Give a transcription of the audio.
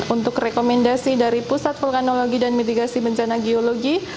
untuk rekomendasi dari pusat vulkanologi dan mitigasi bencana geologi